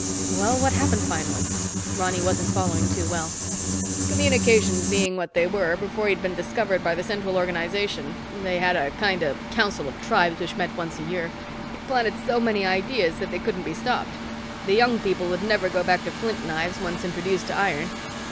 "Well, what happened finally?" Ronny wasn't following too well. "Communications being what they were, before he'd been discovered by the central organization—they had a kind of Council of Tribes which met once a year—he'd planted so many ideas that they couldn't be stopped. The young people'd never go back to flint knives, once introduced to iron.